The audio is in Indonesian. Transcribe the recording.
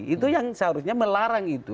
itu yang seharusnya melarang itu